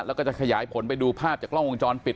แล้วก็จะขยายผลไปดูภาพจากกล้องวงจรปิด